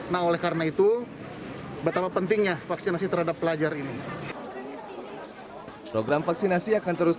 nah oleh karena itu betapa pentingnya vaksinasi terhadap pelajar ini program vaksinasi akan terus